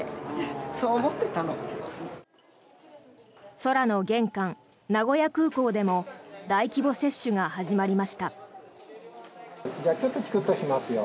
空の玄関、名古屋空港でも大規模接種が始まりました。